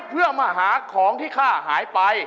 เพื่อมาหาของที่ฆ่าหายไป